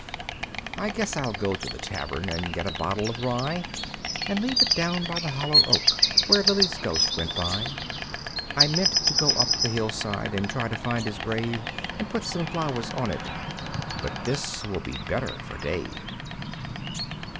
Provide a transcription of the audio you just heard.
I guess I'll go to the tavern and get a bottle of rye And leave it down by the hollow oak, where Lilly's ghost went by. I meant to go up on the hillside and try to find his grave And put some flowers on it but this will be better for Dave.